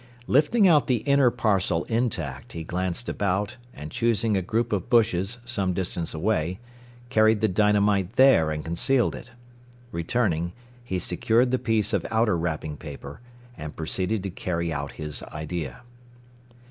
Lifting out the inner parcel intact, he glanced about, and choosing a group of bushes some distance away, carried the dynamite there and concealed it. Returning, he secured the piece of outer wrapping paper, and proceeded to carry out his idea.